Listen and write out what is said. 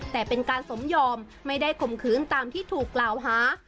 แต่เป็นการสมยอมไม่ได้ข่มขืนตามที่ถูกกล่าวหา